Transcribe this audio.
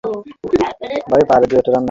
বিশেষ পদ্ধতিতে ইলিশের নুডলসও তৈরি করা হয়েছে।